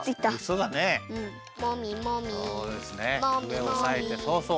うえをおさえてそうそう。